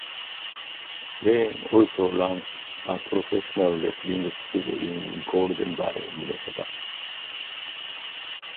Lane also runs a professional wrestling school in Golden Valley, Minnesota.